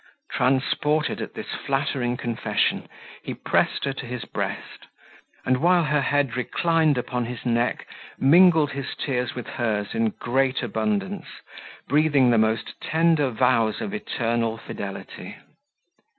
Transported at this flattering confession, he pressed her to his breast, and while her head reclined upon his neck, mingled his tears with hers in great abundance, breathing the most tender vows of eternal fidelity.